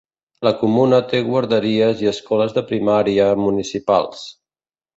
La comuna té guarderies i escoles de primària municipals.